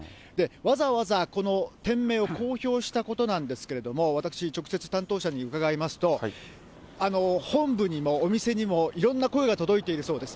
わざわざこの店名を公表したことなんですけれども、私、直接担当者に伺いますと、本部にもお店にも、いろんな声が届いているそうです。